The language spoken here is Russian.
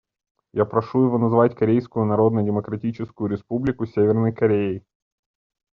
Я прошу его назвать Корейскую Народно-Демократическую Республику «Северной Кореей».